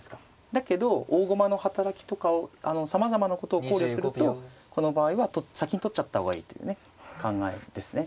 だけど大駒の働きとかをさまざまなことを考慮するとこの場合は先に取っちゃった方がいいというね考えですね。